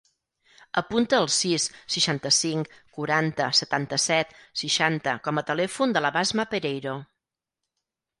Apunta el sis, seixanta-cinc, quaranta, setanta-set, seixanta com a telèfon de la Basma Pereiro.